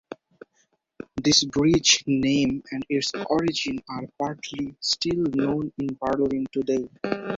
This bridge name and its origin are partly still known in Berlin today.